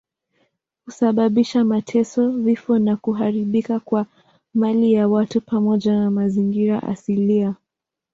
Husababisha mateso, vifo na kuharibika kwa mali ya watu pamoja na mazingira asilia.